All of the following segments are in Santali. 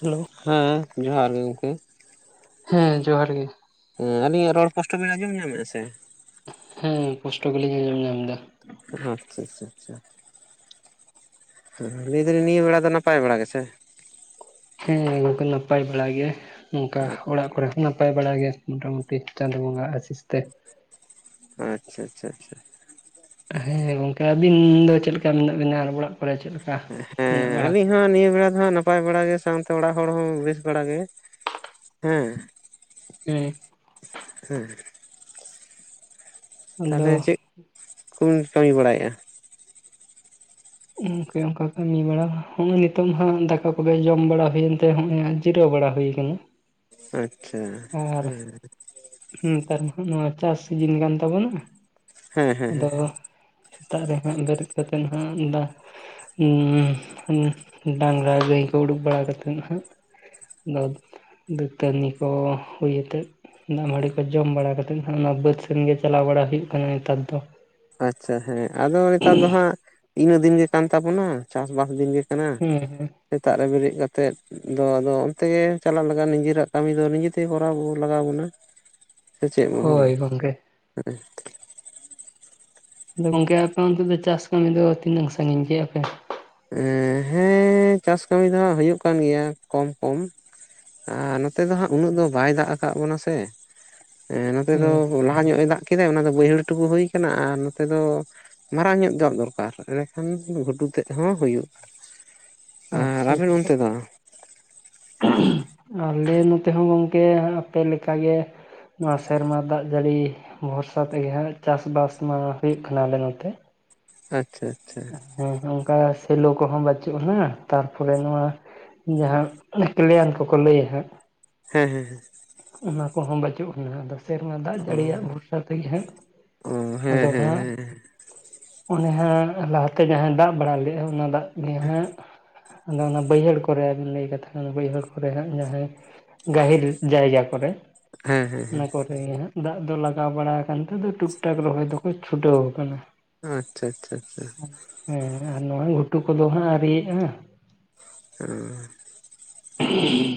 ᱦᱮᱞᱳ, ᱦᱮᱸ ᱡᱚᱦᱟᱨ ᱜᱮ ᱜᱚᱢᱠᱮ, ᱦᱮᱸ ᱡᱚᱦᱟᱨ ᱜᱮ, ᱦᱮᱸ ᱟᱹᱞᱤᱧᱟᱜ ᱨᱚᱲ ᱯᱚᱥᱴᱚ ᱵᱤᱱ ᱟᱸᱡᱚᱢ ᱧᱟᱢᱮᱫᱼᱟ ᱥᱮ? ᱦᱮᱸ ᱯᱳᱥᱴᱚ ᱜᱤᱞᱤᱧ ᱟᱸᱡᱚᱢ ᱧᱟᱢᱫᱟ, ᱟᱪᱪᱷᱟ ᱟᱪᱷᱟ ᱟᱪᱪᱷᱟ, ᱦᱮᱸ ᱞᱟᱹᱭ ᱫᱟᱞᱤᱧ ᱱᱤᱭᱟᱹ ᱵᱮᱲᱟ ᱫᱚ ᱱᱟᱯᱟᱭ ᱵᱮᱲᱟ ᱜᱮ ᱥᱮ, ᱦᱮᱸ ᱜᱚᱢᱠᱮ ᱱᱟᱯᱟᱭ ᱵᱟᱲᱟ ᱜᱮ ᱱᱚᱝᱠᱟ ᱚᱲᱟᱜ ᱠᱚᱨᱮ, ᱱᱟᱯᱟᱭ ᱵᱟᱲᱟ ᱜᱮ ᱢᱚᱴᱟ ᱢᱩᱴᱤ ᱪᱟᱸᱫᱳ ᱵᱚᱸᱜᱟ ᱟᱥᱤᱥ ᱛᱮ, ᱟᱪᱪᱷᱟ ᱟᱪᱪᱷᱟ ᱟᱪᱪᱷᱟ, ᱦᱮᱸ ᱜᱚᱢᱠᱮ ᱟᱹᱵᱤᱱ ᱫᱚ ᱪᱮᱫ ᱞᱮᱠᱟ ᱢᱮᱱᱟᱜ ᱵᱤᱱᱟ ᱟᱨ ᱚᱲᱟᱜ ᱠᱚᱨᱮ ᱪᱮᱫ ᱞᱮᱠᱟ ᱦᱮᱸ ᱢᱮᱱᱟᱜ ᱵᱟᱲᱟ ᱟᱹᱞᱤᱧ ᱠᱚᱣᱟ ᱦᱚᱸ ᱱᱤᱭᱟᱹ ᱵᱮᱲᱟ ᱫᱚ ᱦᱟᱸᱜ ᱱᱟᱯᱟᱭ, ᱱᱟᱯᱟᱭ ᱵᱟᱲᱟ ᱜᱮ ᱥᱟᱶᱛᱮ ᱚᱲᱟᱜ ᱦᱚᱲ ᱦᱚᱸ ᱵᱮᱥ ᱵᱟᱲᱟᱜ ᱜᱮ, ᱦᱮᱸ ᱦᱩᱸ, ᱦᱮᱸ, ᱟᱫᱚ ᱛᱟᱦᱚᱞᱮ ᱪᱮᱫ ᱠᱚᱢ ᱠᱟᱹᱢᱤ ᱵᱟᱲᱟᱭᱮᱼᱟ, ᱚᱱᱠᱟ ᱠᱟᱹᱢᱤ ᱵᱟᱲᱟ ᱦᱚᱸᱜᱼᱚᱭ ᱱᱤᱛᱚᱝ ᱦᱟᱸᱜ ᱫᱟᱠᱟ ᱠᱚᱜᱮ ᱡᱚᱢ ᱵᱟᱲᱟ ᱦᱩᱭᱮᱱ ᱛᱮ ᱦᱚᱸᱜᱼᱚᱭ, ᱡᱤᱨᱟᱹᱣ ᱵᱟᱲᱟ ᱦᱳᱭ ᱠᱟᱱᱟ ᱾ ᱟᱪᱪᱷᱟ, ᱦᱮᱸ ᱦᱩᱸ ᱱᱮᱛᱟᱨ ᱢᱟ ᱦᱟᱸᱜ ᱱᱚᱣᱟ ᱪᱟᱥ ᱥᱤᱡᱤᱱ ᱠᱟᱱ ᱛᱟᱵᱚᱱᱟ, ᱦᱮᱸ ᱦᱮᱸ ᱟᱫᱚ ᱥᱮᱛᱟᱜ ᱨᱮ ᱦᱟᱸᱜ ᱵᱮᱨᱮᱫ ᱠᱟᱛᱮ ᱱᱟᱦᱟᱜ ᱫᱟᱜ ᱩᱸ ᱦᱩᱸ ᱰᱟᱝᱜᱽᱨᱟ ᱜᱟᱹᱭ ᱠᱚ ᱩᱰᱩᱠ ᱵᱟᱲᱟ ᱠᱟᱛᱮ ᱦᱟᱸᱜ, ᱫᱟᱹᱛ ᱫᱟᱹᱛᱟᱹᱱᱤ ᱠᱚ ᱦᱩᱭ ᱟᱛᱮᱫ, ᱫᱟᱜ ᱢᱟᱹᱲᱤ ᱠᱚ ᱡᱚᱢ ᱵᱟᱲᱟ ᱠᱟᱛᱮ ᱱᱟᱦᱟᱜ ᱚᱱᱟ ᱵᱟᱹᱫᱽ ᱥᱮᱱ ᱜᱮ ᱪᱟᱞᱟᱣ ᱵᱟᱲᱟ ᱦᱩᱭᱩᱜ ᱠᱟᱱᱟ ᱱᱮᱛᱟᱨ ᱫᱚ, ᱟᱪᱪᱷᱟ ᱦᱮᱸ, ᱟᱫᱚ ᱱᱮᱛᱟᱨ ᱫᱚ ᱦᱟᱸᱜ ᱤᱱᱟᱹᱜ ᱫᱤᱱ ᱜᱮ ᱠᱟᱱ ᱛᱟᱵᱚᱱᱟ ᱪᱟᱥᱵᱟᱥ ᱫᱤᱱ ᱜᱮ ᱠᱟᱱᱟ, ᱦᱩᱸ ᱦᱩᱸ ᱥᱮᱛᱟᱜ ᱨᱮ ᱵᱮᱨᱮᱫ ᱠᱟᱛᱮᱫ ᱟᱫᱚ ᱟᱫᱚ ᱚᱱᱛᱮ ᱜᱮ ᱪᱟᱞᱟᱜ ᱫᱚ ᱫᱚ ᱫᱚ ᱟᱫᱚ ᱚᱱᱛᱮ ᱜᱮ ᱪᱟᱞᱟᱣ ᱞᱟᱜᱟᱜ ᱱᱤᱡᱮᱨᱟᱜ ᱠᱟᱹᱢᱤ ᱫᱚ ᱱᱤᱡᱮ ᱛᱮᱜᱮ ᱠᱚᱨᱟᱣ ᱞᱟᱜᱟᱣ ᱵᱚᱱᱟ, ᱥᱮ ᱪᱮᱫ ᱵᱤᱱ ᱦᱳᱭ ᱞᱟᱹᱭᱟ ᱾ ᱜᱚᱝᱠᱮ ᱟᱫᱚ ᱜᱚᱝᱠᱮ ᱟᱯᱮ ᱟᱱᱛᱮ ᱫᱚ ᱪᱟᱥ ᱠᱟᱹᱢᱤ ᱫᱚ ᱛᱤᱱᱟᱹᱜ ᱥᱟᱹᱜᱤᱧ ᱜᱮᱭᱟ ᱯᱮ? ᱮᱸ ᱦᱮᱸ ᱪᱟᱥ ᱠᱟᱹᱢᱤ ᱫᱚ ᱦᱟᱸᱜ ᱦᱩᱭᱩᱜ ᱠᱟᱱ ᱜᱮᱭᱟ ᱠᱚᱢ ᱠᱚᱢ, ᱟᱨ ᱱᱚ ᱱᱚᱛᱮ ᱫᱚ ᱦᱟᱸᱜ ᱩᱱᱟᱹᱜ ᱫᱚ ᱵᱟᱭ ᱫᱟᱜ ᱟᱠᱟᱫ ᱵᱚᱱᱟ ᱥᱮ ᱱᱚᱛᱮ ᱫᱚ ᱦᱮᱸ ᱞᱟᱦᱟ ᱧᱚᱜ ᱮ ᱫᱟᱜ ᱠᱮᱫᱟᱭ ᱚᱱᱟ ᱫᱚ ᱵᱟᱹᱭᱦᱟᱹᱲ ᱴᱩᱠᱩ ᱦᱩᱭ ᱟᱠᱟᱱᱟ ᱟᱨ ᱱᱚᱛᱮ ᱫᱚ ᱢᱟᱨᱟᱝ ᱧᱚᱜ ᱫᱟᱜ ᱫᱚᱨᱠᱟᱨ ᱮᱸᱰᱮᱠᱷᱟᱱ ᱜᱷᱩᱴᱩ ᱛᱮᱫ ᱦᱚᱸ ᱦᱩᱭᱩᱜ-ᱟ ᱾ ᱟᱪᱪᱷᱟ ᱟᱪᱪᱷᱟ ᱾ ᱟᱞᱮ ᱱᱚᱛᱮ ᱦᱚᱸ ᱜᱚᱝᱠᱮ ᱟᱯᱮ ᱞᱮᱠᱟ ᱜᱮ ᱱᱚᱶᱟ ᱥᱮᱨᱢᱟ ᱫᱟᱜ ᱡᱟᱹᱲᱤ ᱵᱷᱚᱨᱥᱟ ᱛᱮᱜᱮ ᱦᱟᱸᱜ ᱪᱟᱥᱵᱟᱥ ᱢᱟ ᱦᱩᱭᱩᱜ ᱠᱟᱱᱟ ᱟᱞᱮ ᱱᱚᱛᱮ ᱾ ᱟᱪᱪᱷᱟ ᱟᱪᱪᱷᱟ ᱾ ᱦᱮᱸ ᱚᱝᱠᱟ ᱥᱮᱞᱳ ᱠᱚᱦᱚᱸ ᱵᱟᱹᱪᱩᱜ-ᱟ ᱦᱟᱸᱜ ᱛᱟᱨᱯᱚᱨᱮ ᱱᱚᱶᱟ ᱡᱟᱦᱟᱸ ᱠᱞᱮᱭᱟᱱ ᱠᱚᱠᱚ ᱞᱟᱹᱭᱟ ᱦᱟᱸᱜ ᱦᱮᱸ ᱦᱮᱸ ᱦᱮᱸ ᱚᱱᱟ ᱠᱚᱦᱚᱸ ᱵᱟᱹᱪᱩᱜ ᱟᱱᱟ ᱟᱫᱚ ᱥᱮᱨᱢᱟ ᱫᱟᱜ ᱚ ᱡᱟᱹᱲᱤᱭᱟᱜ ᱵᱷᱚᱨᱥᱟ ᱛᱮᱜᱮ ᱦᱟᱸᱜ ᱚ ᱦᱮᱸ ᱟᱫᱚ ᱦᱮᱸ ᱦᱟᱸᱜ ᱦᱮᱸ ᱚᱱᱮ ᱦᱟᱸᱜ ᱞᱟᱦᱟ ᱛᱮ ᱡᱟᱦᱟᱸ ᱫᱟᱜ ᱵᱟᱲᱟ ᱞᱮᱫ-ᱟᱭ ᱚᱱᱟ ᱫᱟᱜ ᱜᱮ ᱦᱟᱸᱜ ᱟᱫᱚ ᱚᱱᱟ ᱵᱟᱹᱭᱦᱟᱹᱲ ᱠᱚᱨᱮ ᱞᱟᱹᱭ ᱠᱟᱛᱷᱟ ᱵᱟᱹᱭᱦᱟᱹᱲ ᱠᱚᱨᱮ ᱦᱟᱸᱜ ᱡᱟᱦᱟᱸᱭ ᱜᱟᱹᱦᱤᱨ ᱡᱟᱭᱜᱟ ᱠᱚᱨᱮ ᱦᱮᱸ ᱦᱮᱸ ᱦᱮᱸ ᱾ ᱦᱮᱸ ᱦᱟᱸᱜ ᱫᱟᱜ ᱫᱚ ᱞᱟᱜᱟᱣ ᱵᱟᱲᱟ ᱟᱠᱟᱱ ᱛᱮ ᱴᱩᱠᱴᱟᱠ ᱨᱚᱦᱚᱭ ᱫᱚᱠᱚ ᱪᱷᱩᱴᱟᱹᱣ ᱟᱠᱟᱱᱟ ᱾ ᱟᱪᱪᱷᱟ ᱟᱪᱪᱷᱟ ᱟᱪᱪᱷᱟ᱾ ᱦᱮᱸ ᱟᱨ ᱱᱚᱜ-ᱚᱭ ᱜᱷᱩᱴᱩ ᱠᱚᱫᱚ ᱦᱟᱸᱜ ᱟᱹᱨᱤᱭᱟᱜ-ᱟ ᱾ [unintelligible] [unintelligible]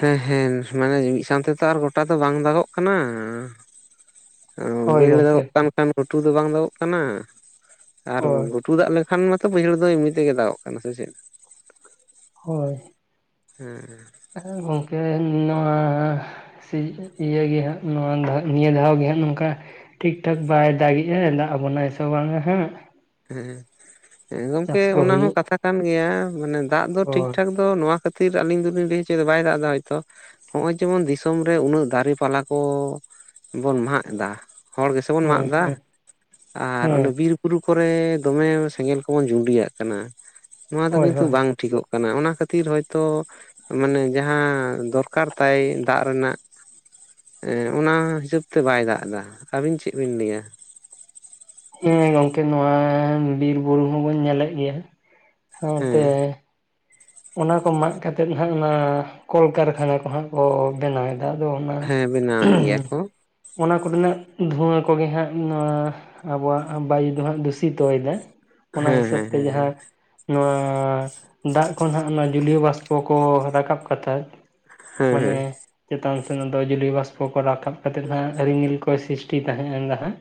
ᱦᱮᱸ ᱦᱮᱸ ᱢᱟᱱᱮ ᱢᱤᱫ ᱥᱟᱶᱛᱮ ᱛᱚ ᱟᱨ ᱜᱚᱴᱟ ᱫᱚ ᱵᱟᱝ ᱫᱟᱜᱚᱜ ᱠᱟᱱᱟ ᱾ ᱦᱳᱭ ᱵᱟᱹᱭᱦᱟᱹᱲ ᱜᱚᱝᱠᱮ ᱫᱟᱜᱚᱜ ᱠᱟᱱ ᱠᱷᱟᱱ ᱜᱷᱩᱴᱩ ᱫᱚ ᱵᱟᱝ ᱫᱟᱜᱚᱜᱚᱜ ᱠᱟᱱᱟ, ᱟᱨ ᱦᱳᱭ ᱜᱷᱩᱴᱩ ᱫᱟᱜ ᱞᱮᱠᱷᱟᱱ ᱢᱟᱛᱚ ᱵᱟᱹᱭᱦᱟᱹᱲ ᱫᱚ ᱮᱢᱱᱤ ᱛᱮᱜᱮ ᱫᱟᱜᱚᱜ ᱠᱟᱱᱟ ᱥᱮ ᱪᱮᱫ ᱾ ᱦᱳᱭ ᱾ ᱦᱮᱸ ᱻ ᱮᱸ ᱜᱚᱝᱠᱮ ᱱᱚᱶᱟ ᱥᱮ ᱤᱭᱟᱹ ᱜᱮ ᱦᱟᱸᱜ ᱱᱚᱶᱟ ᱱᱤᱭᱟᱹ ᱫᱷᱟᱣ ᱜᱮ ᱦᱟᱸᱜ ᱱᱚᱝᱠᱟ᱾ ᱴᱷᱤᱠ ᱴᱷᱟᱠ ᱵᱟᱭ ᱫᱟᱜᱮᱜ-ᱟ ᱫᱟᱜ ᱟᱵᱚᱱᱟᱭ ᱥᱮ ᱵᱟᱝᱟ ᱦᱟᱸᱜ ᱾ ᱦᱮᱸ ᱮᱸ ᱜᱚᱝᱠᱮ ᱠᱚ ᱚᱱᱟ ᱦᱚᱸ ᱦᱩᱭᱩᱜ ᱠᱟᱛᱷᱟ ᱠᱟᱱ ᱜᱮᱭᱟ ᱢᱟᱱᱮ ᱫᱟᱜ ᱫᱚ ᱴᱷᱤᱠ ᱦᱳᱭ ᱴᱷᱟᱠ ᱱᱚᱶᱟ ᱠᱷᱟᱹᱛᱤᱨ ᱟᱞᱤᱧ ᱫᱚᱞᱤᱧ ᱞᱟᱹᱭ ᱦᱚᱪᱚᱭᱮᱫᱟ ᱵᱟᱭ ᱫᱟᱜ ᱮᱫᱟ ᱦᱳᱭ ᱛᱚ ᱾ ᱦᱚᱜ-ᱚᱭ ᱡᱮᱢᱚᱱ ᱫᱤᱥᱚᱢ ᱨᱮ ᱩᱱᱟᱹᱜ ᱫᱟᱨᱮ ᱯᱟᱞᱟ ᱠᱚ ᱵᱚᱱ ᱢᱟᱜ ᱫᱟ ᱦᱚᱲ ᱜᱮᱥᱮ ᱵᱚᱱ ᱦᱮᱸ ᱢᱟᱜ ᱫᱟ, ᱦᱮᱸ ᱟᱨ ᱚᱱᱮ ᱦᱮᱸ ᱵᱤᱨ ᱵᱩᱨᱩ ᱠᱚᱨᱮ ᱫᱚᱢᱮ ᱥᱮᱸᱜᱮᱞ ᱠᱚᱵᱚᱱ ᱡᱩᱸᱰᱤᱭᱟᱜ ᱠᱟᱱᱟ ᱱᱚᱶᱟ ᱫᱚ ᱦᱳᱭ ᱠᱤᱱᱛᱩ ᱦᱳᱭ ᱵᱟᱝ ᱴᱷᱤᱠᱜ ᱠᱟᱱᱟ, ᱚᱱᱟ ᱠᱷᱟᱹᱛᱤᱨ ᱦᱳᱭ ᱛᱚ ᱢᱟᱱᱮ ᱡᱟᱦᱟᱸ ᱫᱚᱨᱠᱟᱨ ᱛᱟᱭ ᱫᱟᱜ ᱨᱮᱱᱟᱜ ᱮᱸ ᱚᱱᱟ ᱦᱤᱥᱟᱹᱵ ᱛᱮ ᱵᱟᱭ ᱫᱟᱜ ᱮᱫᱟ ᱟᱹᱵᱤᱱ ᱪᱮᱫ ᱵᱤᱱ ᱞᱟᱹᱭᱟ? ᱦᱮᱸ ᱜᱚᱝᱠᱮ ᱱᱚᱶᱟ ᱵᱤᱨ ᱵᱩᱨᱩ ᱦᱚᱸ ᱵᱚᱱ ᱧᱮᱞᱮᱫ ᱜᱮᱭᱟ ᱥᱟᱶᱛᱮ ᱦᱮᱸ ᱚᱱᱟ ᱠᱚ ᱢᱟᱜ ᱠᱟᱛᱮᱫ ᱦᱟᱸᱜ ᱚᱱᱟ ᱠᱚᱞ ᱠᱟᱨᱠᱷᱟᱱᱟ ᱠᱚ ᱦᱟᱸᱜ ᱠᱚ ᱵᱮᱱᱟᱣ ᱫᱟᱜ ᱫᱚ ᱚᱱᱟ ᱦᱮᱸ ᱵᱮᱱᱟᱣᱮᱫ ᱜᱮᱭᱟ ᱠᱚ ᱚᱱᱟ ᱠᱚᱨᱮᱱᱟᱜ ᱫᱷᱩᱸᱣᱟᱹ ᱠᱚᱜᱮ ᱦᱟᱸᱜ ᱱᱚᱣᱟ ᱟᱵᱚᱣᱟᱜ ᱵᱟᱭᱩ ᱫᱚ ᱦᱟᱸᱜ ᱫᱩᱥᱤᱛᱚ ᱭᱮᱫᱟ ᱾ ᱚᱱᱟ ᱦᱮᱸ ᱦᱤᱥᱟᱹᱵ ᱦᱮᱸ ᱛᱮ ᱦᱮᱸ ᱡᱟᱦᱟᱸ ᱱᱚᱣᱟ ᱫᱟᱜ ᱠᱚ ᱦᱟᱸᱜ ᱚᱱᱟ ᱡᱩᱞᱤᱭ ᱵᱟᱥᱯᱚ ᱠᱚ ᱨᱟᱠᱟᱵ ᱠᱟᱛᱮᱫ᱾ ᱦᱮᱸ ᱢᱟᱱᱮ ᱦᱮᱸ ᱪᱮᱛᱟᱱ ᱥᱮᱱ ᱫᱚ ᱡᱩᱞᱤ ᱵᱟᱥᱯᱚ ᱠᱚ ᱨᱟᱠᱟᱵ ᱠᱟᱛᱮᱫ ᱦᱟᱸᱜ ᱨᱤᱢᱤᱞ ᱠᱚᱭ ᱥᱨᱤᱥᱴᱤ ᱛᱟᱦᱮᱸ ᱮᱱ ᱦᱟᱸᱜ᱾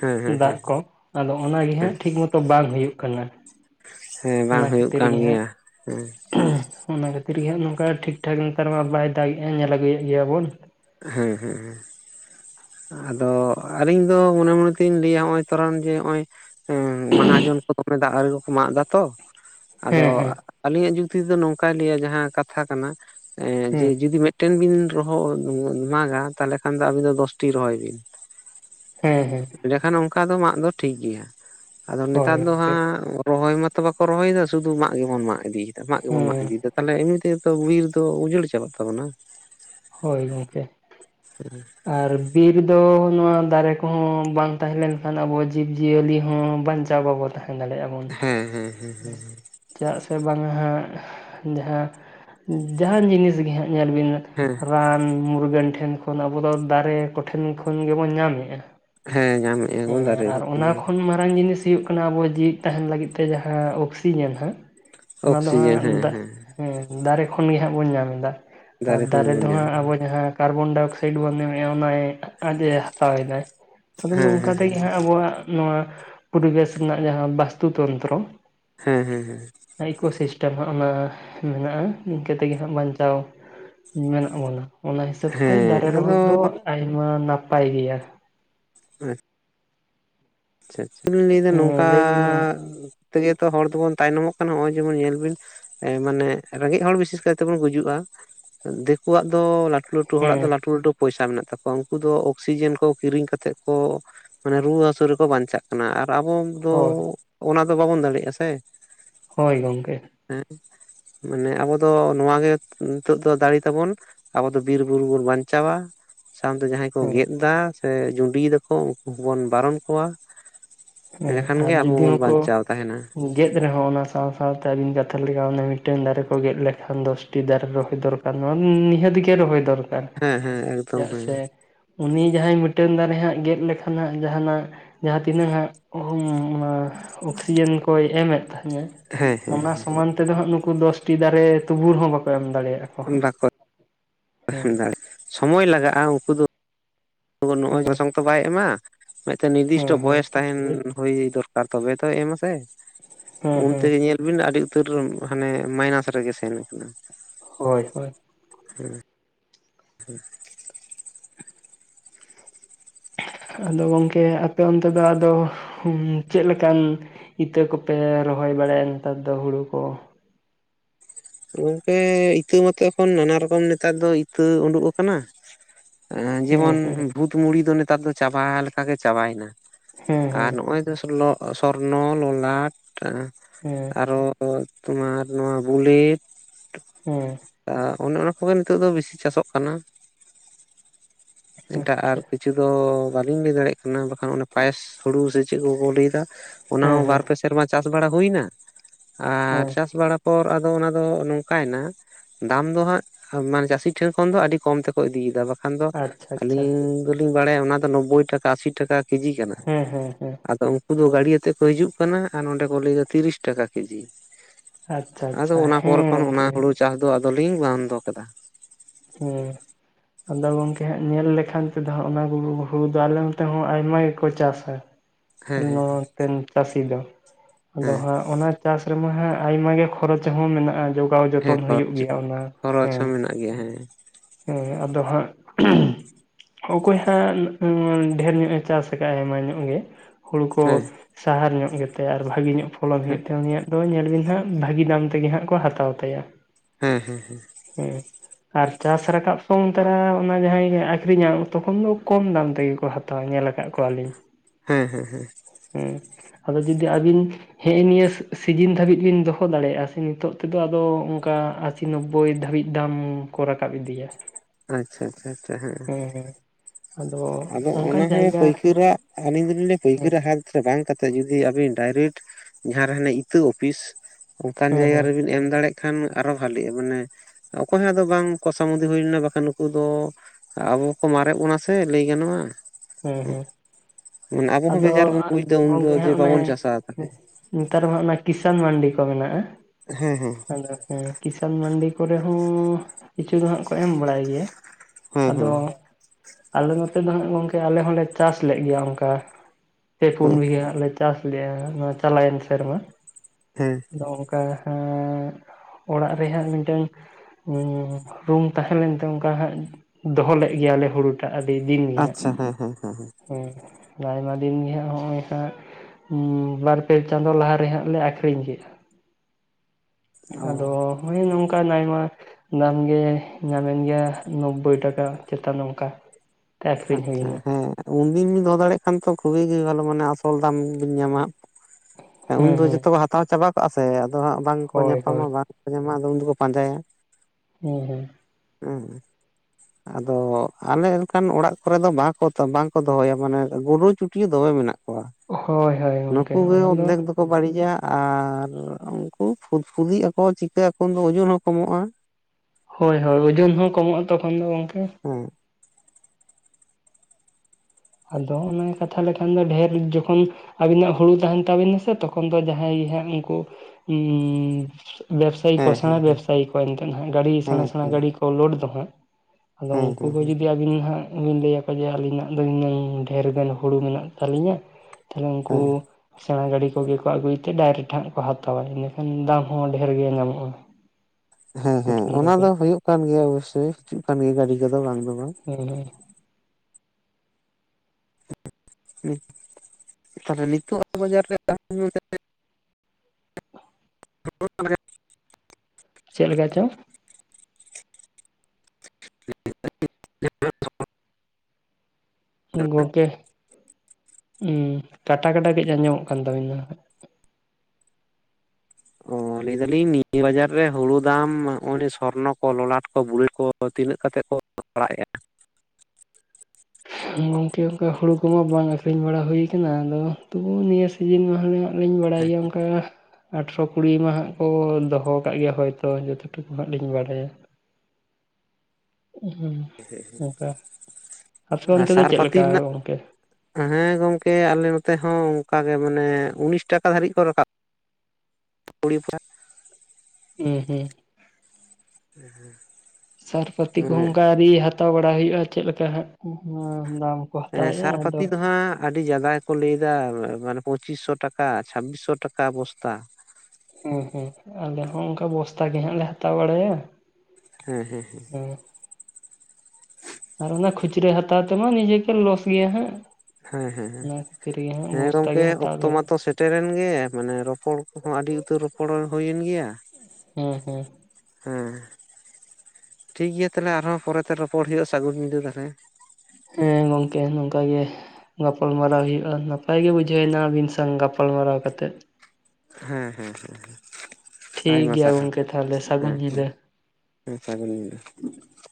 ᱦᱮᱸ ᱦᱮᱸ ᱦᱮᱸ ᱫᱟᱜ ᱦᱮᱸ ᱠᱚ ᱟᱫᱚ ᱚᱱᱟ ᱜᱮ ᱦᱮᱸ ᱦᱟᱸᱜ ᱴᱷᱤᱠ ᱢᱚᱛᱚ ᱵᱟᱝ ᱦᱩᱭᱩᱜ ᱠᱟᱱᱟ᱾ ᱦᱮᱸ ᱵᱟᱝ ᱚᱱᱟ ᱦᱩᱭᱩᱜ ᱠᱷᱟᱹᱛᱤᱨ ᱠᱟᱱ ᱜᱮ ᱦᱟᱸᱜ ᱜᱮᱭᱟ ᱦᱩᱸ᱾ ᱚᱱᱟ ᱠᱷᱟᱹᱛᱤᱨ ᱜᱮ ᱦᱟᱸᱜ ᱱᱚᱝᱠᱟ ᱴᱷᱤᱠ ᱴᱷᱟᱠ ᱱᱮᱛᱟᱨ ᱢᱟ ᱵᱟᱭ ᱫᱟᱜᱮᱜᱼᱟ ᱧᱮᱞ ᱟᱹᱜᱩᱭᱮᱫ ᱜᱮᱭᱟ ᱵᱚᱱ᱾ ᱦᱮᱸ ᱦᱮᱸ ᱦᱮᱸ᱾ ᱟᱫᱚ ᱟᱹᱞᱤᱧ ᱫᱚ ᱢᱚᱱᱮ ᱢᱚᱱᱮ ᱛᱤᱧ ᱞᱟᱹᱭᱟ ᱱᱚᱜᱼᱚᱭ ᱛᱚᱨᱟᱢ ᱡᱮ ᱱᱚᱜᱼᱚᱭ ᱦᱚᱸ ᱢᱟᱦᱟᱡᱚᱱ ᱠᱚ ᱫᱚᱢᱮ ᱫᱟᱜ ᱟᱨᱤ ᱠᱚᱠᱚ ᱢᱟᱜ ᱮᱫᱟ ᱛᱚ ᱟᱫᱚ ᱦᱮᱸ ᱦᱮᱸ ᱟᱞᱤᱧᱟᱜ ᱡᱩ ᱛᱮᱫᱚ ᱱᱚᱝᱠᱟᱭ ᱞᱟᱹᱭᱟ ᱡᱟᱦᱟᱸ ᱠᱟᱛᱷᱟ ᱠᱟᱱᱟ ᱡᱮ ᱦᱮᱸ ᱡᱩᱫᱤ ᱢᱤᱫᱴᱮᱱ ᱵᱤᱱ ᱨᱚᱦᱚ ᱢᱟᱜᱟ ᱛᱟᱦᱞᱮ ᱠᱷᱟᱱ ᱫᱚ ᱟᱵᱤᱱ ᱫᱚ ᱫᱚᱥ ᱴᱤ ᱨᱚᱦᱚᱭ ᱵᱤᱱ᱾ ᱦᱮᱸ ᱦᱮᱸ᱾ ᱮᱸᱰᱮ ᱠᱷᱟᱱ ᱚᱝᱠᱟ ᱫᱚ ᱢᱟᱜ ᱫᱚ ᱴᱷᱤᱠ ᱜᱮᱭᱟ ᱟᱫᱚ ᱱᱮᱛᱟᱨ ᱦᱳᱭ ᱫᱚ ᱜᱚᱝᱠᱮ ᱦᱟᱸᱜ ᱨᱚᱦᱚᱭ ᱢᱟᱛᱚ ᱵᱟᱠᱚ ᱨᱚᱦᱚᱭᱮᱫᱟ ᱥᱩᱫᱩ ᱢᱟᱜ ᱜᱮᱵᱚᱱ ᱢᱟᱜ ᱤᱫᱤᱭᱮᱫᱟ ᱢᱟᱜ ᱜᱮᱵᱚᱱ ᱢᱟᱜ ᱦᱮᱸ ᱤᱫᱤᱭᱮᱫᱟ᱾ ᱛᱟᱦᱞᱮ ᱮᱢᱱᱤ ᱛᱮᱫᱚ ᱵᱤᱨ ᱫᱚ ᱩᱡᱟᱹᱲ ᱪᱟᱵᱟᱜ ᱛᱟᱵᱚᱱᱟ᱾ ᱦᱚᱭ ᱜᱚᱝᱠᱮ᱾ [unintelligible] ᱟᱨ ᱵᱤᱨ ᱫᱚ ᱱᱚᱣᱟ ᱫᱟᱨᱮ ᱠᱚᱦᱚᱸ ᱵᱟᱝ ᱛᱟᱦᱮᱸ ᱞᱮᱱ ᱠᱷᱟᱱ ᱟᱵᱚ ᱡᱤᱵᱽᱼᱡᱤᱭᱟᱹᱞᱤ ᱦᱚᱸ ᱵᱟᱧ ᱪᱟᱣ ᱵᱟᱵᱚᱱ ᱛᱟᱦᱮᱸ ᱫᱟᱲᱮᱭᱟᱜᱼᱟ᱾ ᱵᱚᱱ ᱦᱮᱸ ᱦᱮᱸ ᱦᱮᱸ ᱦᱮᱸ ᱦᱮᱸ᱾ ᱪᱮᱫᱟᱜ ᱥᱮ ᱵᱟᱝᱼᱟ ᱦᱟᱸᱜ ᱡᱟᱦᱟᱸ ᱡᱟᱦᱟᱱ ᱡᱤᱱᱤᱥ ᱜᱮ ᱦᱟᱸᱜ ᱧᱮᱞ ᱵᱤᱱ ᱱᱟᱜ᱾ ᱦᱮᱸ ᱨᱟᱱ ᱢᱩᱨᱜᱟᱹᱱ ᱴᱷᱮᱱ ᱠᱷᱚᱱ ᱟᱵᱚ ᱫᱚ ᱫᱟᱨᱮ ᱠᱚᱴᱷᱮᱱ ᱠᱷᱚᱱ ᱜᱮᱵᱚᱱ ᱧᱟᱢᱮᱜᱼᱟ᱾ ᱦᱮᱸ ᱧᱟᱢᱮᱜ᱾ ᱦᱮᱸ ᱟᱨ ᱚᱱᱟ ᱠᱷᱚᱱ ᱢᱟ ᱢᱟᱨᱟᱝ ᱡᱤᱱᱤᱥ ᱦᱩᱭᱩᱜ ᱠᱟᱱᱟ ᱟᱵᱚ ᱡᱤᱣᱮᱫ ᱛᱟᱦᱮᱱ ᱞᱟᱹᱜᱤᱫ ᱛᱮ ᱡᱟᱦᱟᱸ ᱩᱠᱥᱤᱡᱮᱱ ᱦᱟᱸᱜ ᱚᱱᱟ ᱫᱚ ᱚᱠᱥᱤᱡᱮᱱ ᱦᱮᱸ ᱦᱟᱸᱜ ᱜᱟᱹᱜ ᱦᱮᱸ ᱦᱮᱸ ᱫᱟᱨᱮ ᱠᱷᱚᱱ ᱜᱮ ᱦᱟᱸᱜ ᱵᱚᱱ ᱧᱟᱢ ᱮᱫᱟ᱾ ᱟᱨ ᱠᱷᱚᱱ ᱫᱟᱨᱮ ᱜᱮᱵᱚᱱ ᱫᱚ ᱧᱟᱢ ᱦᱟᱸᱜ ᱮᱫᱟ ᱟᱵᱳ ᱡᱟᱦᱟᱸ ᱠᱟᱨᱵᱚᱱ ᱰᱟᱭ ᱚᱠᱥᱟᱭᱤᱰ ᱵᱚᱱ ᱧᱟᱢᱮᱜ ᱼᱟ ᱚᱱᱟᱭ ᱟᱡ ᱮ ᱦᱟᱛᱟᱣᱮᱫᱟ᱾ ᱦᱮᱸ ᱦᱮᱸ ᱟᱵᱚᱣᱟᱜ ᱱᱚᱣᱟ ᱯᱚᱨᱤᱵᱮᱥ ᱨᱮᱱᱟᱜ ᱡᱟᱦᱟᱸ ᱵᱟᱥᱛᱩ ᱛᱚᱱᱛᱨᱚ᱾ ᱦᱮᱸ ᱦᱮᱸ ᱦᱮᱸ᱾ ᱤᱠᱳ ᱥᱤᱥᱴᱮᱢ ᱦᱟᱸᱜ ᱚᱱᱟ ᱢᱮᱱᱟᱜᱼᱟ ᱤᱱᱠᱟᱹ ᱛᱮᱜᱮ ᱦᱟᱸᱜ ᱵᱟᱧᱪᱟᱣ ᱢᱮᱱᱟᱜ ᱵᱚᱱᱟ ᱚᱱᱟ ᱦᱤᱥᱟᱹᱵᱽ ᱛᱮ ᱦᱮᱸ ᱫᱟᱨᱮ ᱟᱫᱚ ᱨᱚᱦᱚᱭ ᱫᱚ ᱟᱭᱢᱟ ᱱᱟᱯᱟᱭ ᱜᱮᱭᱟ᱾ ᱦᱮᱸ᱾ ᱪᱮᱫ ᱪᱚ ᱵᱤᱱ ᱞᱟᱹᱭᱮᱫᱟ ᱦᱮᱸ ᱱᱚᱝᱠᱟ ᱞᱟᱹᱭ ᱵᱤᱱ ᱛᱮᱜᱮ ᱛᱚ ᱦᱚᱲ ᱫᱚᱵᱚᱱ ᱛᱟᱭᱱᱚᱢᱚᱜ ᱠᱟᱱᱟ ᱱᱚᱜᱼᱚᱭ ᱡᱮᱢᱚᱱ ᱧᱮᱞ ᱵᱤᱱ᱾ ᱢᱟᱱᱮ ᱨᱮᱸᱜᱮᱡᱽ ᱦᱚᱲ ᱵᱤᱥᱮ ᱠᱟᱨ ᱛᱮᱵᱩᱱ ᱜᱩᱡᱩᱜᱼᱟ ᱫᱤᱠᱩᱣᱟᱜ ᱫᱚ ᱞᱟᱹᱴᱩ ᱞᱟᱹ ᱴᱷᱩ ᱦᱚᱲᱟᱜ ᱫᱚ ᱦᱮᱸ ᱞᱟᱹᱴᱩ ᱞᱟᱹᱴᱩ ᱯᱳᱭᱥᱟ ᱢᱮᱱᱟᱜ ᱛᱟᱠᱚᱣᱟ ᱩᱝᱠᱩ ᱫᱚ ᱚᱠᱥᱤᱡᱮᱱ ᱠᱚ ᱠᱤᱨᱤᱧ ᱠᱟᱛᱮ ᱠᱚ ᱢᱟᱱᱮ ᱨᱩᱣᱟᱹ ᱦᱟᱹᱥᱩ ᱨᱮ᱾ ᱠᱚ ᱵᱟᱧᱪᱟᱜ ᱠᱟᱱᱟ ᱟᱨ ᱟᱵᱳ ᱫᱚ ᱦᱳᱭ ᱚᱱᱟ ᱫᱚ ᱵᱟᱵᱚᱱ ᱫᱟᱲᱮᱭᱟᱜᱼᱟ ᱥᱮ᱾ ᱦᱳᱭ ᱜᱚᱝᱠᱮ᱾ ᱦᱮᱸ ᱢᱟᱱᱮ ᱟᱵᱚ ᱫᱚ ᱱᱚᱣᱟ ᱜᱮ ᱱᱤᱛᱚᱜ ᱫᱚ ᱫᱟᱲᱤ ᱛᱟᱵᱚᱱ᱾ ᱟᱵᱚ ᱫᱚ ᱵᱤᱨ ᱵᱩᱨᱩ ᱵᱚᱱ ᱵᱟᱧᱪᱟᱣᱟ ᱥᱟᱶ ᱛᱮ ᱡᱟᱦᱟᱸᱭ ᱠᱚ ᱦᱮᱸ ᱜᱮᱫ ᱫᱟ ᱥᱮ ᱡᱩᱰᱤ ᱭᱮᱫᱟ ᱠᱚ ᱩᱝᱠᱩ ᱠᱚᱵᱚᱱ ᱵᱟᱨᱚᱱ ᱠᱚᱣᱟ᱾ ᱦᱮᱸ ᱮᱸᱰᱮᱠᱷᱟᱱ ᱟᱨ ᱜᱮ ᱟᱵᱚ ᱡᱩᱫᱤ ᱵᱚᱱ ᱦᱚᱸ ᱠᱚ ᱵᱟᱧᱪᱟᱣ ᱛᱟᱦᱮᱱᱟ ᱜᱮᱫ ᱨᱮᱦᱚᱸ ᱚᱱᱟ ᱥᱟᱶ ᱥᱟᱶᱛᱮ ᱟᱹᱵᱤᱱ ᱠᱟᱛᱷᱟ ᱞᱮᱠᱟ ᱚᱱᱮ ᱢᱤᱫᱴᱟᱝ ᱫᱟᱨᱮ ᱠᱚ ᱜᱮᱫ ᱞᱮᱜ ᱠᱷᱟᱱ ᱫᱚᱥ ᱴᱤ ᱫᱟᱨᱮ ᱨᱚᱦᱚᱭ ᱫᱚᱨ ᱱᱚᱣᱟ ᱱᱤᱦᱟᱹᱛᱤ ᱜᱮ ᱨᱚᱦᱚᱭ ᱫᱚᱨᱠᱟᱨ ᱦᱮᱸ ᱦᱮᱸ ᱮᱠᱫᱚᱢ ᱪᱮᱫᱟᱜ ᱦᱮᱸ ᱥᱮᱼᱼ ᱩᱱᱤ ᱡᱟᱦᱟᱸᱭ ᱢᱤᱴᱟᱹᱝ ᱫᱟᱨᱮ ᱦᱟᱸᱜ ᱜᱮᱫ ᱞᱮᱠᱷᱟᱱ ᱦᱟᱸᱜ ᱡᱟᱦᱟᱸ ᱱᱟᱜ ᱡᱟᱦᱟᱸ ᱛᱤᱱᱟᱹᱜ ᱦᱟᱸᱜ [inaudible] ᱚᱠᱥᱤᱡᱮᱱ ᱠᱚᱭ ᱮᱢᱮᱫ ᱛᱟᱦᱮᱸᱜ-ᱟ ᱦᱮᱸ ᱚᱱᱟ ᱦᱮᱸ ᱥᱚᱢᱟᱱᱼᱼ ᱛᱮᱫᱚ ᱦᱟᱸᱜ ᱱᱩᱠᱩ ᱫᱚ ᱫᱚᱥᱴᱤ ᱫᱟᱨᱮ ᱛᱩᱵᱩ ᱨᱮᱦᱚᱸ ᱵᱟᱠᱚ ᱮᱢ ᱫᱟᱲᱮᱭᱟᱜ-ᱟ᱾ ᱵᱟᱠᱚ ᱫᱟᱲᱭᱟᱜ ᱥᱚᱢᱚᱭ ᱞᱟᱜᱟᱜ-ᱟ ᱩᱱᱠᱩ ᱫᱚ ᱼᱼ ᱛᱚ ᱦᱮᱸ ᱱᱚᱜ-ᱚᱭ [unintelligible] ᱛᱚ ᱵᱟᱭ ᱮᱢᱟ ᱢᱤᱫᱴᱮᱱ ᱱᱤᱨᱫᱤᱥᱴᱚ ᱦᱮᱸ ᱦᱮᱸ ᱵᱚᱭᱮᱥ ᱛᱟᱦᱮᱱ ᱦᱩᱭ ᱫᱚᱨᱠᱟᱨ ᱛᱚᱵᱮ ᱛᱚᱭ ᱮᱢᱟᱥᱮ ᱦᱮᱸ ᱩᱱ ᱦᱮᱸ ᱛᱮᱜᱮ ᱧᱮᱞᱼᱼ ᱟᱹᱵᱤᱱ ᱟᱹᱰᱤ ᱩᱛᱟᱹᱨ ᱦᱟᱱᱮ ᱢᱟᱭᱱᱟᱥ ᱨᱮᱜᱮ ᱥᱮᱱ ᱟᱠᱟᱱᱟ᱾ ᱦᱳᱭ ᱦᱳᱭ᱾ [unintelligible] ᱟᱫᱚ ᱜᱚᱢᱠᱮ ᱟᱯᱮ ᱚᱱᱛᱮ ᱫᱚ ᱟᱫᱚ ᱪᱮᱫ ᱞᱮᱠᱟᱱᱼᱼ ᱤᱛᱟᱹ ᱠᱚᱯᱮ ᱨᱚᱦᱚᱭ ᱵᱟᱲᱟᱭᱟ ᱱᱮᱛᱟᱨ ᱫᱚ ᱦᱩᱲᱩ ᱠᱚ᱾ ᱜᱚᱝᱠᱮ ᱤᱛᱟᱹ ᱢᱟᱛᱚ ᱮᱠᱷᱚᱱ ᱱᱟᱱᱟ ᱨᱚᱠᱚᱢ ᱱᱮᱛᱟᱨ ᱫᱚ ᱤᱛᱟᱹ ᱩᱰᱩᱠ ᱟᱠᱟᱱᱟ ᱾ ᱦᱮᱸ ᱡᱮᱢᱚᱱ ᱦᱮᱸ ᱵᱷᱩᱛ ᱢᱩᱲᱤ ᱫᱚ ᱱᱮᱛᱟᱨ ᱫᱚ ᱪᱟᱵᱟ ᱞᱮᱠᱟ ᱜᱮ ᱪᱟᱵᱟᱭᱮᱱᱟ᱾ ᱦᱮᱸ ᱟᱨ ᱦᱮᱸ ᱱᱚᱜ-ᱚᱭ ᱫᱚ ᱥᱚᱨᱱᱚ ᱞᱚᱞᱟᱴ ᱦᱮᱸ ᱟᱨᱚᱼᱼ ᱠᱚ ᱛᱳᱢᱟᱨ ᱱᱚᱣᱟ ᱵᱩᱞᱮᱴᱼᱼ ᱦᱩᱸ᱾ ᱟ ᱚᱱᱮ ᱚᱱᱟ ᱠᱚᱜᱮ ᱱᱤᱛᱚᱜ ᱫᱚ ᱵᱮᱥᱤ ᱪᱟᱥᱚᱜ ᱠᱟᱱᱟ᱾ ᱮᱴᱟᱜ ᱟᱨ ᱟᱪᱪᱷᱟ ᱠᱤᱼᱼ ᱠᱤᱪᱷᱩ ᱫᱚ ᱵᱟᱹᱞᱤᱧ ᱞᱟᱹᱭ ᱫᱟᱲᱮᱭᱟᱜ ᱠᱟᱱᱟ ᱵᱟᱠᱷᱟᱱ ᱯᱟᱭᱮᱥ ᱦᱩᱲᱩ ᱥᱮ ᱪᱮᱫ ᱠᱚᱠᱚ ᱞᱟᱹᱭᱫᱟ᱾ ᱚᱱᱟ ᱦᱮᱸ ᱦᱚᱸ ᱵᱟᱨ ᱦᱮᱸ ᱯᱮ ᱥᱮᱨᱢᱟ ᱪᱟᱥ ᱵᱟᱲᱟ ᱦᱩᱭ ᱮᱱᱟ ᱦᱮᱸ ᱟᱨ ᱪᱟᱥ ᱵᱟᱲᱟ ᱯᱚᱨ ᱟᱫᱚ ᱚᱱᱟᱼᱼ ᱛᱚ ᱱᱚᱝᱠᱟᱭᱱᱟ ᱫᱟᱢ ᱫᱚ ᱦᱟᱸᱜ ᱢᱟᱱᱮ ᱪᱟᱹᱥᱤ ᱴᱷᱮᱱ ᱠᱷᱚᱱ ᱫᱚ ᱟᱹᱰᱤ ᱠᱚᱢ ᱛᱮᱠᱚᱼᱼ ᱠᱚ ᱤᱫᱤᱭᱮᱫᱟ ᱵᱟᱠᱷᱟᱱ ᱫᱚ ᱟᱪᱪᱷᱟ ᱟᱪᱪᱷᱟ ᱟᱹᱞᱤᱧ ᱫᱚᱞᱤᱧ ᱵᱟᱲᱟᱭᱟ ᱚᱱᱟ ᱫᱚ ᱱᱚᱵᱵᱳᱭ ᱴᱟᱠᱟ ᱟᱥᱤ ᱴᱟᱠᱟᱼᱼ ᱠᱤᱡᱤ ᱠᱟᱱᱟ᱾ ᱦᱮᱸ ᱦᱮᱸ ᱦᱮᱸ ᱟᱫᱚ ᱩᱱᱠᱩ ᱫᱚ ᱜᱟᱲᱤᱭᱟᱛᱮ ᱠᱚ ᱦᱤᱡᱩᱜ ᱠᱟᱱᱟ ᱟᱨ ᱱᱚᱸᱰᱮ ᱠᱚ ᱞᱟᱹᱭᱮᱫᱟ ᱛᱤᱨᱤᱥ ᱴᱟᱠᱟ ᱠᱤᱡᱤ᱾ ᱟᱪᱪᱷᱟ ᱟᱪᱪᱷᱟ ᱦᱮᱸ ᱚᱱᱟ ᱜᱚᱢᱠᱮ᱾ ᱦᱩᱲᱩ ᱪᱟᱥ ᱫᱚ ᱟᱫᱚᱞᱤᱧ ᱵᱟᱱᱫᱚ ᱠᱮᱫᱟ᱾ ᱦᱩᱸ᱾ ᱟᱫᱚ ᱜᱚᱢᱠᱮ ᱦᱟᱸᱜ ᱧᱮᱞ ᱞᱮᱠᱷᱟᱱ ᱛᱮᱫᱚ ᱦᱟᱸᱜ ᱚᱱᱟ ᱦᱩᱲᱩ ᱫᱚ ᱟᱞᱮ ᱱᱚᱛᱮ ᱦᱚᱸ ᱟᱭᱢᱟ ᱜᱮᱠᱚ ᱪᱟᱥᱟ᱾ ᱦᱮᱸ ᱟᱞᱮ ᱦᱮᱸ ᱱᱚᱣᱟ [unintelligible] ᱫᱚ ᱟᱫᱚ ᱦᱮᱸ ᱦᱟᱸᱜ ᱚᱱᱟᱼᱼ ᱪᱟᱥ ᱨᱮᱢᱟ ᱦᱟᱸᱜ ᱟᱭᱢᱟ ᱜᱮ ᱠᱷᱚᱨᱚᱪ ᱦᱚᱸ ᱢᱮᱱᱟᱜ-ᱟ, ᱡᱚᱜᱟᱣ ᱦᱮᱸ ᱡᱚᱛᱚᱱ ᱦᱩᱭᱩᱜ ᱠᱷᱚᱨᱚᱪ ᱜᱮᱭᱟ ᱚᱱᱟ ᱠᱷᱚᱨᱚᱪ ᱦᱮᱸᱼᱼ [unintelligible] ᱦᱮᱸ᱾ ᱦᱮᱸ ᱟᱫᱚ ᱦᱟᱸᱜᱼᱼ ᱚᱠᱚᱭ ᱦᱟᱸᱜ ᱰᱷᱮᱨ ᱧᱚᱜ-ᱮ ᱪᱟᱥ ᱟᱠᱟᱫ ᱟᱭ ᱟᱭᱢᱟ ᱧᱚᱜ ᱜᱮᱼᱼ ᱦᱩᱲᱩ ᱠᱚ ᱦᱮᱸ ᱥᱟᱦᱟᱨ ᱧᱚᱜ ᱜᱮᱛᱟᱭᱟ ᱟᱨ ᱵᱷᱟᱜᱮ ᱧᱚᱜ ᱯᱷᱚᱞᱚᱱ ᱦᱮᱸ ᱦᱩᱭᱩᱜ ᱛᱟᱭᱟ ᱩᱱᱤᱭᱟᱜᱼᱼ ᱫᱳ ᱧᱮᱞ ᱵᱤᱱ ᱦᱟᱸᱜ ᱵᱷᱟᱹᱜᱤ ᱫᱟᱢ ᱛᱮᱜᱮ ᱦᱟᱸᱜ ᱠᱚ ᱦᱟᱛᱟᱣ ᱛᱟᱭᱟ᱾ ᱦᱮᱸ ᱦᱮᱸ ᱦᱮᱸ᱾ ᱦᱩᱸ᱾ ᱟᱨ ᱪᱟᱥ ᱨᱟᱠᱟᱵ ᱥᱟᱝ ᱛᱚᱨᱟ ᱚᱱᱟ ᱡᱟᱦᱟᱸᱭ ᱮ ᱟᱠᱷᱨᱤᱧᱟ ᱛᱚᱠᱷᱚᱱ ᱫᱚ ᱠᱚᱢ ᱫᱟᱢ ᱛᱮᱜᱮ ᱠᱚ ᱦᱟᱛᱼᱼ ᱛᱟ ᱧᱮᱞ ᱠᱟᱜ ᱠᱚᱣᱟᱞᱤᱧ᱾ ᱦᱮᱸ ᱦᱮᱸ ᱦᱮᱸ᱾ ᱦᱩᱸ ᱟᱫᱚ ᱡᱩᱫᱤ ᱟᱹᱵᱤᱱᱼᱼ ᱦᱮᱜ-ᱮ ᱱᱤᱭᱟᱹ ᱥᱤᱡᱤᱱ ᱫᱷᱟᱹᱵᱤᱡ ᱵᱤᱱ ᱫᱚᱦᱚ ᱫᱟᱲᱮᱭᱟᱜ-ᱟ ᱥᱮ ᱱᱤᱛᱚᱜ ᱛᱮᱫᱚ ᱟᱫᱚ ᱚᱱᱠᱟᱼᱼ ᱟᱥᱤ ᱱᱚᱵᱵᱳᱭ ᱫᱷᱟᱹᱵᱤᱡ ᱫᱟᱢ ᱠᱚ ᱨᱟᱠᱟᱵ ᱤᱫᱤᱭᱟ᱾ ᱟᱪᱪᱷᱟ ᱟᱪᱪᱷᱟ ᱟᱪᱪᱷᱟ ᱦᱮᱸ᱾ ᱟᱫᱚ ᱚᱱᱠᱟᱱ ᱚᱱᱟ ᱦᱚᱸ ᱡᱟᱭᱜᱟ ᱯᱟᱹᱭᱠᱟᱹᱨᱟᱜ ᱟᱹᱞᱤᱧ ᱫᱚᱞᱤᱧ ᱞᱟᱹᱭᱟ ᱦᱮᱸ ᱯᱟᱹᱭᱠᱟᱹᱨᱟᱜ ᱦᱟᱛ ᱨᱮ ᱵᱟᱝ ᱠᱟᱛᱮ ᱡᱩᱫᱤ ᱟᱹᱵᱤᱱ ᱰᱟᱭᱨᱮᱠᱴ ᱡᱟᱦᱟᱸ ᱨᱮ ᱦᱟᱱᱮ ᱤᱛᱟᱹ ᱚᱯᱷᱤᱥ ᱚᱝᱠᱟᱱ ᱦᱮᱸ ᱡᱟᱭᱜᱟ ᱦᱮᱸ ᱨᱮᱵᱤᱱ ᱮᱢ ᱫᱟᱲᱮᱭᱟᱜ ᱠᱷᱟᱱ ᱟᱨᱚ ᱵᱷᱷᱟᱞᱤᱜ-ᱟ ᱢᱟᱱᱮ ᱚᱠᱚᱭ ᱦᱚᱸ ᱟᱫᱚ ᱵᱟᱝ ᱠᱚᱥᱟ ᱢᱩᱫᱤ ᱦᱩᱭ ᱞᱮᱱᱟ ᱵᱟᱠᱷᱟᱱ ᱱᱩᱠᱩ ᱫᱚ ᱟᱵᱚ ᱠᱚ ᱢᱟᱨᱮᱜ ᱵᱚᱱᱟ᱾ ᱥᱮ ᱞᱟᱹᱭ ᱜᱟᱱᱚᱜ-ᱟ᱾ ᱦᱮᱸ ᱢᱟᱱᱮ ᱟᱵᱚ ᱦᱚᱸ ᱟᱫᱚ ᱵᱮᱡᱟᱨ ᱵᱚᱱ ᱵᱩᱡᱫᱟ ᱩᱱᱫᱚ ᱜᱚᱝᱠᱮ ᱡᱮ ᱦᱟᱸᱜ ᱚᱱᱮ ᱵᱟᱵᱚᱱ ᱪᱟᱥᱟ ᱛᱟᱦᱞᱮ᱾ ᱱᱮᱛᱟᱨ ᱢᱟ ᱚᱱᱟ ᱠᱤᱥᱟᱱ ᱢᱟᱱᱰᱤ ᱠᱚ ᱢᱮᱱᱟᱜ-ᱟ᱾ ᱦᱮᱸ ᱦᱮᱸ᱾ ᱟᱫᱚ ᱦᱮᱸ ᱠᱤᱥᱟᱱ ᱢᱟᱱᱰᱤ ᱠᱚᱨᱮ ᱦᱚᱸᱻ ᱠᱤᱪᱷᱩ ᱫᱚ ᱦᱟᱸᱜ ᱠᱚ ᱮᱢ ᱵᱟᱲᱟᱭ ᱜᱮᱭᱟ ᱾ ᱦᱮᱸ ᱟᱫᱚ ᱦᱮᱸ ᱟᱞᱮ ᱱᱚᱛᱮ ᱫᱚ ᱦᱟᱸᱜ ᱜᱚᱝ ᱥᱮ ᱟᱞᱮ ᱦᱚᱸᱞᱮ ᱪᱟᱥ ᱞᱮᱜ ᱜᱮᱭᱟ ᱚᱱᱠᱟ ᱯᱮ ᱯᱩᱱ ᱦᱮᱸ ᱵᱤᱜᱷᱟᱹ ᱟᱞᱮ ᱪᱟᱥ ᱞᱮ ᱱᱤᱭᱟ ᱪᱟᱞᱟᱣ ᱮᱱ ᱥᱮᱨᱢᱟ ᱦᱮᱸ। ᱟᱫᱚ ᱚᱝᱠᱟ ᱦᱮᱸᱻ ᱚᱲᱟᱜ ᱨᱮ ᱦᱟᱸᱜ ᱢᱤᱫᱴᱟᱝ ᱦᱩᱸ ᱨᱩᱢ ᱛᱟᱦᱮᱸᱞᱮᱱ ᱛᱮ ᱚᱝᱠᱟ ᱦᱟᱸᱜ ᱫᱚᱦᱚ ᱞᱮᱫ ᱜᱮᱭᱟᱞᱮ ᱦᱳᱲᱳ ᱾ ᱴᱟᱜ ᱟᱹᱰᱤ ᱫᱤᱱ ᱜᱮ ᱦᱟᱸᱜ। ᱟᱪᱪᱷᱟ ᱦᱮᱸ ᱦᱮᱸ᱾ ᱦᱩᱸ, ᱟᱭᱢᱟ ᱫᱤᱱ ᱜᱮ ᱦᱟᱸᱜ ᱦᱚᱸᱜᱼᱚᱭ ᱦᱟᱸᱜ ᱩᱸ ᱵᱟᱨ ᱯᱮ ᱪᱟᱸᱫᱚ ᱞᱟᱦᱟ ᱨᱮ ᱦᱟᱸᱜ ᱞᱮ ᱟᱹᱠᱷᱨᱤᱧ ᱠᱮᱜᱼᱟ ᱾ [inaudible] ᱟᱫᱚ ᱦᱩ ᱱᱚᱝᱠᱟᱱ ᱟᱭᱢᱟ ᱫᱟᱢ ᱜᱮ ᱧᱟᱢᱮᱱ ᱜᱮᱭᱟ ᱱᱳᱵᱽᱵᱳᱭ ᱴᱟᱠᱟ ᱪᱮᱛᱟᱱ ᱚᱱᱠᱟ ᱾ ᱟᱪᱪᱷᱟ ᱦᱮᱸ ᱩᱱᱫᱤᱱ ᱵᱤᱱ ᱫᱚᱦᱚ ᱫᱟᱲᱮᱭᱟᱜ ᱠᱷᱟᱱ ᱛᱚ ᱠᱷᱩᱵᱤ ᱜᱤ ᱵᱷᱟᱞᱤ ᱢᱟᱱᱮ ᱟᱥᱚᱞ ᱫᱟᱢ ᱵᱤᱱ ᱧᱟᱢᱟ ᱾ ᱦᱮᱸ ᱩᱱᱫᱚ ᱡᱚᱛᱚ ᱠᱚ ᱦᱟᱛᱟᱣ ᱪᱟᱵᱟ ᱠᱟᱜᱼᱟ ᱥᱮ ᱟᱫᱚ ᱦᱟᱸᱜ ᱵᱟᱝᱠᱚ ᱦᱳᱭ ᱦᱳᱭ ᱧᱟᱯᱟᱢᱟ ᱵᱟᱝᱠᱚ ᱧᱟᱢᱟ ᱟᱫᱚ ᱩᱱ ᱫᱚᱠᱚ ᱯᱟᱸᱡᱟᱭᱟ᱾ ᱦᱩᱸ ᱦᱩᱸ। ᱦᱮᱸ, ᱟᱫᱚ ᱟᱞᱮ ᱚᱱᱠᱟᱱ ᱚᱲᱟᱜ ᱠᱚᱨᱮ ᱫᱚ ᱵᱟᱠᱚ ᱵᱟᱝᱠᱚ ᱫᱚᱦᱚᱭᱟ। ᱢᱟᱱᱮ ᱜᱩᱰᱩ ᱪᱩᱴᱭᱟᱹ ᱫᱚᱢᱮ ᱢᱮᱱᱟᱜ ᱠᱚᱣᱟ। ᱦᱳᱭ ᱦᱳᱭ ᱜᱚᱝᱠᱮ ᱚᱱᱟ ᱫᱚ ᱠᱚ ᱵᱟᱹᱲᱤᱡᱟ ᱟᱨ ᱩᱱᱠᱩ ᱯᱷᱩᱫᱽ ᱯᱷᱩᱫᱤᱜ ᱟᱠᱚ ᱪᱤᱠᱟᱹᱜ ᱟᱠᱚ ᱩᱱ ᱫᱚ ᱳᱡᱳᱱ ᱦᱚᱸ ᱠᱚᱢᱚᱜᱼᱟ᱾ ᱦᱳᱭ ᱦᱳᱭ ᱳᱡᱳᱱ ᱦᱚᱸ ᱠᱚᱢᱚᱜᱼᱟ ᱛᱚᱠᱷᱚᱱ ᱫᱚ ᱜᱚᱢᱠᱮ, ᱦᱩᱸ। ᱟᱫᱚ ᱚᱱᱟᱮ ᱠᱟᱛᱷᱟ ᱞᱮᱠᱷᱟᱱ ᱫᱚ ᱰᱷᱮᱨ। ᱡᱚᱠᱷᱚᱱ ᱼᱼ ᱟᱹᱵᱤᱱᱟᱜ ᱦᱩᱲᱩ ᱛᱟᱦᱮᱱ ᱛᱟᱵᱤᱱᱟᱥᱮ ᱛᱚᱠᱷᱚᱱ ᱫᱚ ᱡᱟᱸᱦᱟᱸᱭ ᱜᱮ ᱦᱟᱸᱜ ᱩᱱᱠᱩ ᱩᱸᱻ ᱵᱮᱵᱽᱥᱟᱭᱤ ᱠᱚ ᱦᱮᱸ ᱥᱮᱬᱟ ᱦᱮᱸ ᱵᱮᱵᱽᱥᱟᱭᱤ ᱠᱚ ᱮᱱᱛᱮ ᱦᱟᱸᱜ ᱜᱟᱹᱰᱤ ᱦᱮᱸ ᱥᱮᱬᱟ ᱥᱮᱬᱟ ᱦᱮᱸ ᱜᱟᱹᱰᱤ ᱠᱚ ᱞᱳᱰ ᱫᱚ ᱦᱟᱸᱜ᱾ ᱟᱫᱚ ᱦᱮᱸ ᱩᱱᱠᱩ ᱦᱮᱸ ᱦᱮᱸ ᱠᱚ ᱦᱮᱸ ᱡᱩᱫᱤ ᱟᱹᱵᱤᱱ ᱦᱟᱸᱜ ᱵᱤᱱ ᱞᱟᱹᱭᱟᱠᱚ ᱡᱮ ᱟᱹᱞᱤᱧᱟᱜ ᱱᱤᱱᱟᱹᱝ ᱰᱷᱮᱨ ᱜᱟᱱ ᱦᱩᱲᱩ ᱢᱮᱱᱟᱜ ᱛᱟᱞᱤᱧᱟ ᱛᱟᱦᱞᱮ ᱩᱝᱠᱩ ᱦᱮᱸ ᱥᱮᱬᱟ ᱜᱟᱹᱰᱤ ᱠᱚᱜᱮ ᱠᱚ ᱟᱹᱜᱩᱭ ᱛᱮ ᱰᱟᱭᱨᱮᱠᱴ ᱦᱟᱸᱜ ᱠᱚ ᱦᱟᱛᱟᱣᱟ ᱤᱱᱟᱹᱠᱷᱟᱱ ᱫᱟᱢ ᱦᱚᱸ ᱰᱷᱮᱨ ᱜᱮ ᱧᱟᱢᱚᱜᱼᱟ᱾ ᱦᱮᱸ ᱩᱱᱠᱩ ᱦᱮᱸ ᱴᱷᱮᱱ ᱚᱱᱟ ᱠᱟᱹᱡ ᱫᱚ ᱦᱳᱭᱳᱜ ᱠᱟᱱ ᱜᱮᱭᱟ ᱚᱵᱚᱥᱥᱳᱭ ᱦᱤᱡᱩᱜ ᱠᱟᱱ ᱜᱮᱭᱟ ᱜᱟᱹᱰᱤ ᱠᱚᱫᱚ ᱵᱟᱝ ᱫᱚ ᱵᱟᱝ ᱾ [inaudible] ᱦᱩᱸ᱾ ᱛᱟᱦᱟᱞᱮ ᱱᱤᱛᱚᱜ ᱠᱚ ᱧᱟᱢᱟ ᱮᱜᱟ᱾ [inaudible] ᱪᱮᱫ ᱞᱮᱠᱟ ᱪᱚᱝ? [inaudible] ᱜᱚᱝᱠᱮ ᱠᱟᱴᱟ ᱠᱟᱴᱟ ᱠᱟᱹᱡ ᱟᱸᱡᱚᱢᱚᱜ ᱠᱟᱱ ᱛᱟᱵᱤᱱᱟ᱾ ᱚ ᱞᱟᱹᱭ ᱫᱟᱞᱤᱧ ᱱᱤᱭᱟᱹ ᱵᱟᱡᱟᱨ ᱨᱮ ᱦᱩᱲᱩ ᱫᱟᱢ ᱱᱚᱜᱼᱚᱭ ᱥᱚᱨᱱᱚ ᱠᱚ ᱞᱚᱞᱟᱴ ᱠᱚ, ᱵᱩᱞᱮᱴ ᱠᱚ, ᱛᱤᱱᱟᱹᱜ ᱠᱟᱛᱮᱫ ᱠᱚ [inaudible] ᱜᱚᱝᱠᱮ ᱚᱝᱠᱟ ᱦᱩᱲᱩ ᱠᱚᱢᱟ ᱵᱟᱝ ᱟᱹᱠᱷᱨᱤᱧ ᱵᱟᱲᱟ ᱦᱩᱭ ᱠᱟᱱᱟ, ᱟᱫᱚ ᱛᱚᱵᱩ ᱱᱤᱭᱟᱹ ᱥᱤᱡᱤᱱ ᱢᱟ ᱦᱟᱱᱮ [inaudible] ᱵᱟᱲᱟᱭ ᱜᱮᱭᱟ ᱚᱝᱠᱟ ᱟᱴᱷᱨᱚ ᱠᱩᱲᱤ ᱢᱟ ᱦᱟᱸᱜ ᱠᱚ ᱫᱚᱦᱚᱸ ᱠᱟᱜ ᱜᱮᱭᱟ ᱦᱚᱭᱛᱚ ᱡᱚᱛᱚᱴᱩᱠᱩ ᱦᱟᱸᱜ ᱞᱤᱧ ᱵᱟᱲᱟᱭᱟ᱾ ᱟᱯᱮ ᱟᱨ ᱚᱱᱛᱮ ᱫᱚ ᱥᱟᱨ ᱪᱮᱜ ᱯᱟᱹᱛᱤ ᱞᱮᱠᱟ ᱨᱮᱱᱟᱜ ᱜᱚᱝᱠᱮ? ᱦᱮᱸ ᱜᱚᱢᱠᱮ ᱟᱞᱮ ᱱᱚᱛᱮ ᱦᱚᱸ ᱚᱱᱠᱟ ᱜᱮ ᱢᱟᱱᱮ ᱩᱱᱤᱥ ᱴᱟᱠᱟ ᱫᱷᱟᱹᱨᱤᱡ ᱠᱚ ᱨᱟᱠᱟᱵ [unintelligible] ᱩᱸ ᱦᱩᱸ᱾ ᱦᱮᱸ ᱦᱮᱸ᱾ ᱥᱟᱨ ᱯᱟᱹᱛᱤ ᱠᱚᱦᱚᱸ ᱚᱱᱠᱟ ᱟᱹᱣᱨᱤ ᱦᱟᱛᱟᱣ ᱵᱟᱲᱟ ᱦᱩᱭᱩᱜᱼᱟ ᱾ ᱪᱮᱫᱞ ᱞᱮᱠᱟ ᱦᱟᱸᱜ ᱦᱩᱸ ᱦᱩᱸ ᱫᱟᱢ ᱠᱚ ᱦᱟᱛᱟᱣᱮᱜ-ᱟ ᱥᱟᱨ ᱟᱫᱚ ᱯᱟᱹᱛᱤ ᱫᱚ ᱦᱟᱸᱜ ᱟᱹᱰᱤ ᱡᱟᱫᱟ ᱜᱮᱠᱚ ᱞᱟᱹᱭᱫᱟ ᱢᱟᱱᱮ ᱯᱚᱸᱪᱤᱥ ᱥᱳ ᱴᱟᱠᱟ ᱪᱷᱟᱵᱵᱤᱥ ᱥᱳ ᱴᱟᱠᱟ ᱵᱚᱥᱛᱟ ᱦᱮᱸ ᱦᱮᱸ ᱟᱞᱮ ᱦᱚᱸ ᱚᱝᱠᱟ ᱵᱚᱥᱛᱟ ᱜᱮ ᱦᱟᱸᱜ ᱞᱮ ᱦᱟᱛᱟᱣ ᱵᱟᱲᱟᱭ-ᱟ᱾ ᱦᱮᱸ ᱦᱮᱸ ᱦᱮᱸ᱾ ᱦᱮᱸ᱾ ᱟᱨ ᱚᱱᱟ ᱠᱷᱩᱪᱨᱟᱹ ᱦᱟᱛᱟᱣ ᱛᱮᱢᱟ ᱱᱤᱡᱮ ᱜᱮ ᱞᱚᱥ ᱜᱮᱭᱟ ᱦᱟᱸᱜ᱾ ᱦᱮᱸ ᱦᱮᱸ ᱦᱮᱸ, ᱚᱱᱟ ᱠᱷᱟᱹᱛᱤᱨ ᱜᱮ ᱦᱟᱸᱜ ᱦᱮᱸ ᱵᱚᱥᱛᱟ ᱜᱮ ᱜᱚᱝᱠᱮ ᱦᱟᱛᱟᱣ ᱚᱠᱛᱚ ᱞᱮ ᱢᱟᱛᱚ ᱥᱮ ᱥᱮᱴᱮᱨᱮᱱ ᱜᱮ, ᱢᱟᱱᱮ ᱨᱚᱯᱚᱲ ᱠᱚᱦᱚᱸ ᱟᱹᱰᱤ ᱩᱛᱟᱹᱨ ᱨᱚᱯᱚᱲ ᱦᱩᱭᱮᱱ ᱜᱮᱭᱟ᱾ ᱦᱩᱸ ᱦᱩᱸ᱾ ᱦᱮᱸ, ᱴᱷᱤᱠ ᱜᱮᱭᱟ ᱛᱟᱞᱦᱮ ᱟᱨᱦᱚᱸ ᱯᱚᱨᱮᱛᱮ ᱨᱚᱯᱚᱲ ᱦᱩᱭᱩᱜ-ᱟ, ᱥᱟᱹᱜᱩᱱ ᱧᱤᱫᱟᱹ ᱛᱟᱞᱦᱮ᱾ ᱦᱮᱸ ᱜᱚᱝᱠᱮ ᱱᱚᱝᱠᱟ ᱜᱮ᱾ ᱜᱟᱯᱟᱞᱢᱟᱨᱟᱣ ᱦᱩᱭᱩᱜ-ᱟ, ᱱᱟᱯᱟᱭ ᱜᱮ ᱵᱩᱡᱷᱟᱹᱣ ᱮᱱᱟ ᱟᱹᱵᱤᱱ ᱥᱟᱶ ᱜᱟᱯᱟᱞᱢᱟᱨᱟᱣ ᱠᱟᱛᱮᱫ᱾ ᱦᱮᱸ ᱦᱮᱸ ᱦᱮᱸ ᱦᱮᱸ᱾ ᱴᱷᱤᱠ ᱜᱮᱭᱟ ᱜᱚᱝᱠᱮ ᱛᱟᱦᱞᱮ ᱥᱟᱹᱜᱩᱱ ᱦᱮᱸ ᱧᱤᱫᱟᱹ᱾ ᱦᱮᱸ ᱥᱟᱹᱜᱩᱱ ᱧᱤᱫᱟᱹ᱾